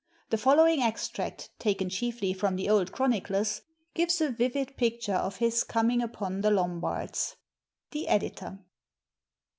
The following extract, taken chiefly from the old chroniclers, gives a vivid picture of his coming upon the Lombards. The Editor.